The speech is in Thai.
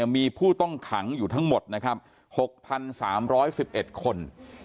มีผู้ต้องขังอยู่ทั้งหมดนะครับ๖๓๑๑คน